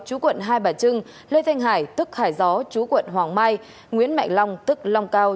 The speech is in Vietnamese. chú quận hai bà trưng lê thanh hải tức hải gió chú quận hoàng mai nguyễn mạnh long tức long cao